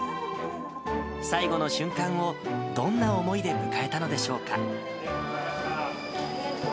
最後の瞬間をどんな思いで迎えたのでしょうか。